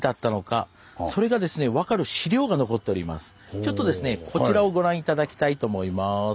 さてちょっとですねこちらをご覧頂きたいと思います。